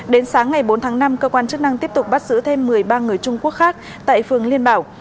đến sáng ngày bốn tháng năm cơ quan chức năng tiếp tục bắt giữ thêm một mươi ba người trung quốc khác tại phường liên bảo